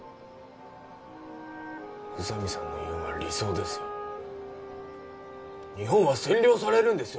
宇佐美さんの言うんは理想ですよ日本は占領されるんですよ